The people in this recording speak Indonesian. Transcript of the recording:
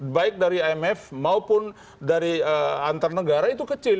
baik dari imf maupun dari antar negara itu kecil